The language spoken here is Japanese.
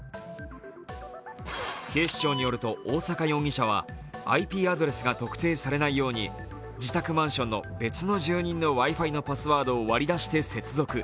警視庁によると、大坂容疑者はＩＰアドレスが特定されないように自宅マンションの別の住人のＷｉ−Ｆｉのパスワードを割り出して接続。